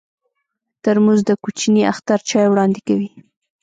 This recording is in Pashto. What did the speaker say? ترموز د کوچني اختر چای وړاندې کوي.